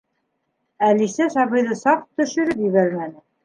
Әлисә сабыйҙы саҡ төшөрөп ебәрмәне.